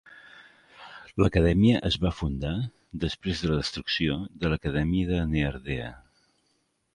L'acadèmia es va fundar després de la destrucció de l'acadèmia de Nehardea.